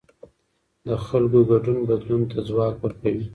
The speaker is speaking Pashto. د خلکو ګډون بدلون ته ځواک ورکوي